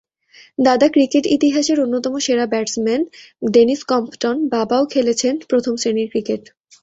দাদা ক্রিকেট ইতিহাসের অন্যতম সেরা ব্যাটসম্যান ডেনিস কম্পটন, বাবাও খেলেছেন প্রথম শ্রেণির ক্রিকেট।